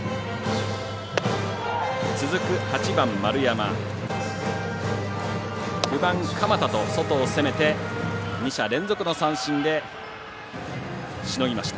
続く８番、丸山９番、鎌田と外を攻めて２者連続の三振でしのぎました。